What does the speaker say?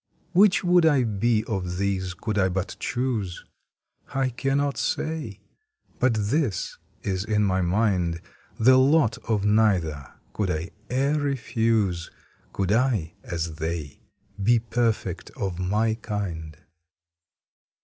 Which would I be of these could I but choose? I cannot say, but this is in my mind, The lot of neither could I e er refuse Could I, as they, be perfect of my kind.